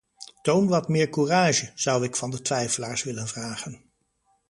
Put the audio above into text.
Toon wat meer courage, zou ik van de twijfelaars willen vragen.